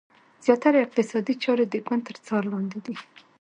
زیاتره اقتصادي چارې د ګوند تر څار لاندې دي.